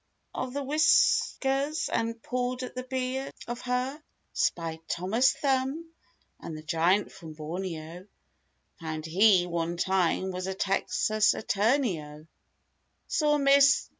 of the whiskers and pulled at the beard of her; Spied Thomas Thum and the giant from Borneo— (Found he, one time, was a Texas attorney O) ; Saw Miss